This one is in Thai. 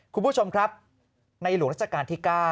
คุณผู้ชมครับในหลวงราชการที่๙